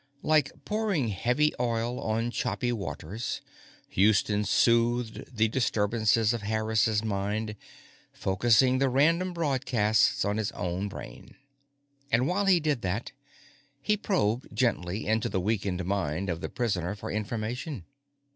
Like pouring heavy oil on choppy waters, Houston soothed the disturbances of Harris's mind, focusing the random broadcasts on his own brain. And while he did that, he probed gently into the weakened mind of the prisoner for information.